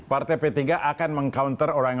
partai p tiga akan meng counter orang yang